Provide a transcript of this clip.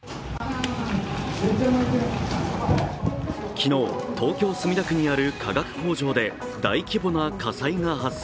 昨日、東京・墨田区にある化学工場で、大規模な火災が発生。